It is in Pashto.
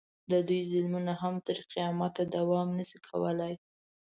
د دوی ظلمونه هم تر قیامته دوام نه شي کولی.